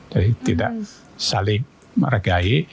jadi tidak saling menghargai